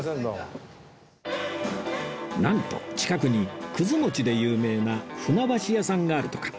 なんと近くにくず餅で有名な船橋屋さんがあるとか